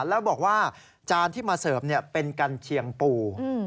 แล้วบอกว่าจานที่มาเสิร์ฟเป็นกัญเชียงปู